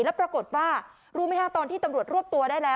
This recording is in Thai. แล้วปรากฏว่ารู้ไหมคะตอนที่ตำรวจรวบตัวได้แล้ว